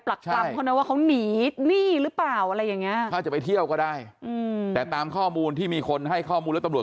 บอกว่าเขายังไม่อยากเจอใคร